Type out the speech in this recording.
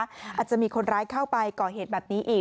อาจจะมีคนร้ายเข้าไปก่อเหตุแบบนี้อีก